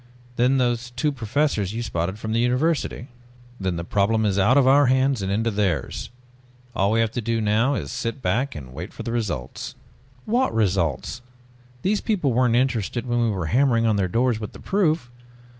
Then those two professors you spotted from the university." "Then the problem is out of our hands and into theirs. All we have to do now is sit back and wait for results." "What results?! These people weren't interested when we were hammering on their doors with the proof.